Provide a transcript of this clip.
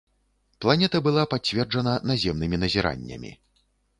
Планета была пацверджана наземнымі назіраннямі.